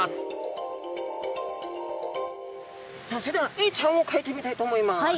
さあそれではエイちゃんをかいてみたいと思います。